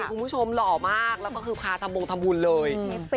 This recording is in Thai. คุณผู้ชมหล่อมากแล้วก็คือพาทำบงทำบุญเลย